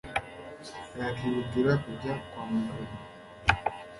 yakihutira kujya kwa muganga